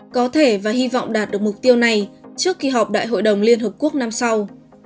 có thể và hy vọng đạt được mục tiêu này trước kỳ họp đại hội đồng liên hợp quốc năm sau